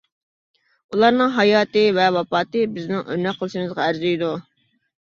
ئۇلارنىڭ ھاياتى ۋە ۋاپاتى بىزنىڭ ئۆرنەك قىلىشىمىزغا ئەرزىيدۇ.